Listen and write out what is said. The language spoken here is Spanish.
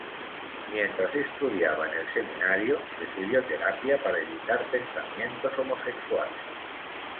Mientras estudiaba en el seminario, recibió terapia para evitar pensamientos homosexuales.